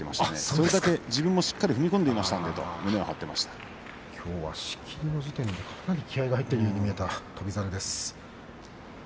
それだけ自分もしっかり踏み込んでいましたのでときょうは仕切りの時点でかなり気合いが入ってるように見えた翔猿です。